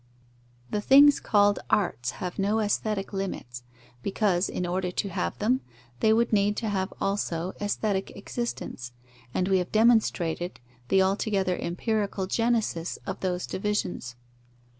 _ The things called Arts have no aesthetic limits, because, in order to have them, they would need to have also aesthetic existence; and we have demonstrated the altogether empirical genesis of those divisions.